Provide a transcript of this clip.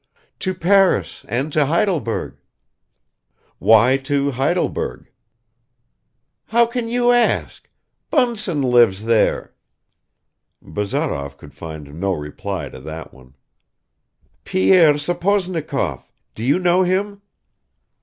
"To Paris and to Heidelberg." "Why to Heidelberg?" "How can you ask! Bunsen lives there!" Bazarov could find no reply to that one. "Pierre Sapozhnikov ... do you know him?"